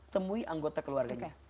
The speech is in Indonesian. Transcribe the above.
temui anggota keluarganya